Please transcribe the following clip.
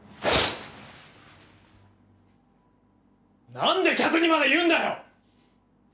なんで客にまで言うんだよ！